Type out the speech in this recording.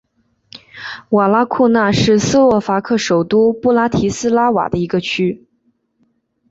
瓦拉库纳是斯洛伐克首都布拉提斯拉瓦的一个区。